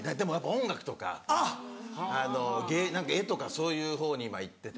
音楽とか絵とかそういう方に今いってて。